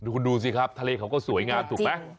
คุณดูสิครับทะเลเขาก็สวยงามถูกไหม